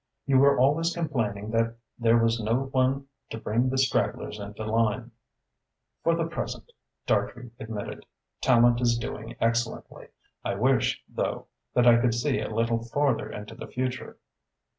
You were always complaining that there was no one to bring the stragglers into line." "For the present," Dartrey admitted, "Tallente is doing excellently. I wish, though, that I could see a little farther into the future."